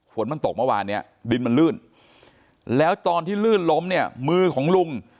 ฝนมันตกเมื่อวานเนี่ยดินมันลื่นแล้วตอนที่ลื่นล้มเนี่ยมือของลุง